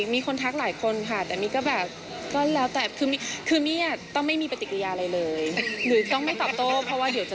มี่ท้องไหมคะว่าสวยขึ้นมากันทุกสัปดาห์